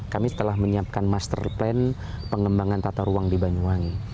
kami telah menyiapkan master plan pengembangan tata ruang di banyuwangi